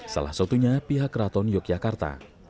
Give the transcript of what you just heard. salah satunya pihak keraton yogyakarta